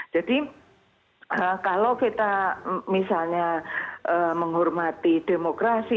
jadi kalau kita misalnya menghormati demokrasi